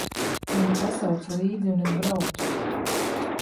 Mani pasauca līdzi, un es braucu.